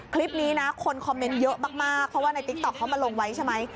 คลิปนี้นะคนคอมเมนต์เยอะมากเพราะว่าในติ๊กต๊อกเขามาลงไว้ใช่ไหม